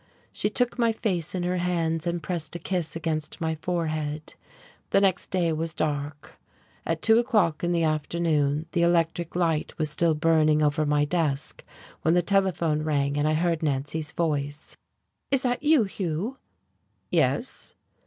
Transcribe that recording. She took my face in her hands and pressed a kiss against my forehead.... The next day was dark. At two o'clock in the afternoon the electric light was still burning over my desk when the telephone rang and I heard Nancy's voice. "Is that you, Hugh?" "Yes."